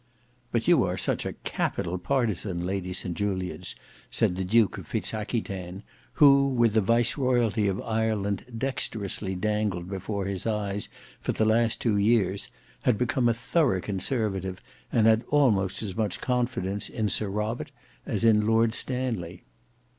"But you are such a capital partisan, Lady St Julians," said the Duke of Fitz Aquitaine, who with the viceroyalty of Ireland dexterously dangled before his eyes for the last two years, had become a thorough conservative and had almost as much confidence in Sir Robert as in Lord Stanley.